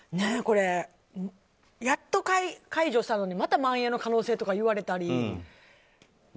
これ、やっと解除したのにまた、まん延の可能性とか言われたり。